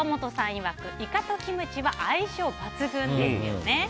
いわくイカとキムチは相性抜群ですよね。